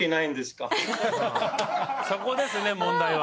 そこですね問題は。